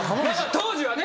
当時はね。